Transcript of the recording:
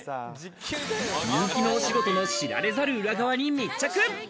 人気のお仕事の知られざる裏側に密着。